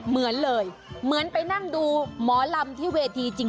เหมือนเลยเหมือนไปนั่งดูหมอลำที่เวทีจริง